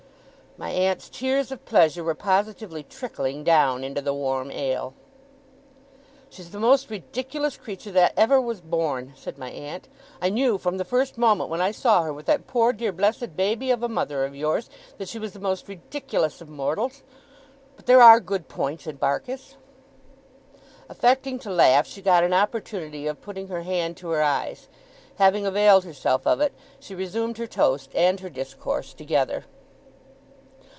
My aunt's tears of pleasure were positively trickling down into the warm ale. 'She's the most ridiculous creature that ever was born,' said my aunt. 'I knew, from the first moment when I saw her with that poor dear blessed baby of a mother of yours, that she was the most ridiculous of mortals. But there are good points in Barkis!' Affecting to laugh, she got an opportunity of putting her hand to her eyes. Having availed herself of it, she resumed her toast and her discourse together.